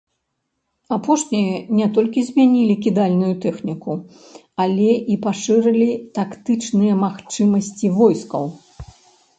Апошнія не толькі замянілі кідальную тэхніку, але і пашырылі тактычныя магчымасці войскаў.